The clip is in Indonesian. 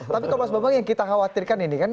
tapi kalau mas bambang yang kita khawatirkan ini kan